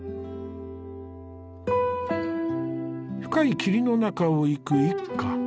深い霧の中を行く一家。